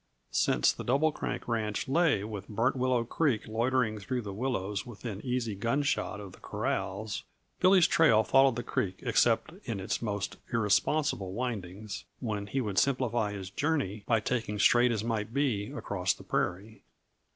Since the Double Crank ranch lay with Burnt Willow Creek loitering through the willows within easy gunshot of the corrals, Billy's trail followed the creek except in its most irresponsible windings, when he would simplify his journey by taking straight as might be across the prairie.